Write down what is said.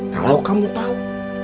kalau kamu tahu